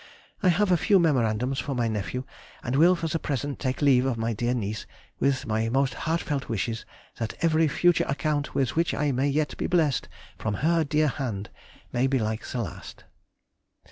I have a few memorandums for my nephew, and will for the present take leave of my dear niece with my most heartfelt wishes that every future account with which I may yet be blessed from her dear hand may be like the last.